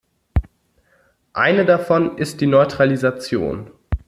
Eine davon ist die Neutralisation.